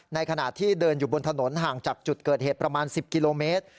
ในขณะที่เดินอยู่บนถนนห่างจากจุดเกิดเหตุประมาณ๑๐กิโลเมตร